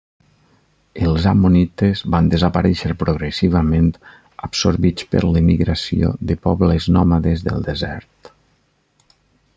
Els ammonites van desaparèixer progressivament absorbits per l'emigració de pobles nòmades del desert.